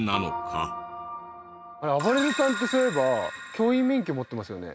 あばれるさんってそういえば教員免許持ってますよね？